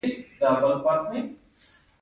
ادب ژبنی هنر دی.